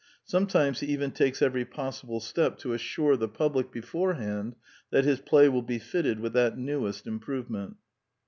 Sometimes he even takes every possible step to assure the public beforehand that his play will be fitted with that newest improvement.